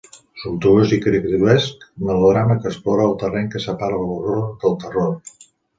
Sumptuós i caricaturesc melodrama que explora el terreny que separa l'horror del terror.